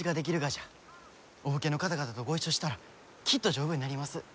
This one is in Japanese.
お武家の方々とご一緒したらきっと丈夫になります。